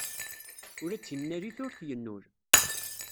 Ula d tinnalit ur t-yennul.